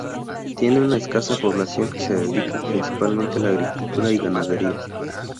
Tiene una escasa población que se dedica principalmente a la agricultura y ganadería.